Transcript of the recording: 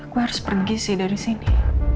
gue harus pergi sih dari sini